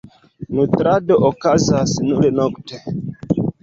Nutrado okazas nur nokte.